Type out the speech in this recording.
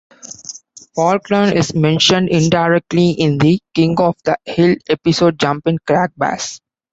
Faulkner is mentioned indirectly in the "King of the Hill" episode "Jumpin' Crack Bass".